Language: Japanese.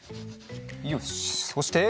よし！